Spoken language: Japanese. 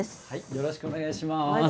よろしくお願いします。